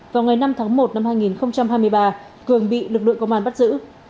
vào ngày năm tháng một năm hai nghìn hai mươi ba cường bị lực lượng công an bắt giữ